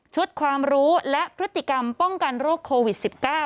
ความรู้และพฤติกรรมป้องกันโรคโควิด๑๙